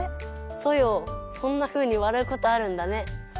ソヨそんなふうにわらうことあるんだね。